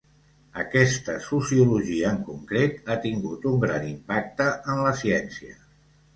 Aquesta sociologia en concret ha tingut un gran impacte en la ciència.